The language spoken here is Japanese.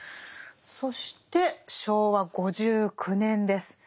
そして昭和５９年です。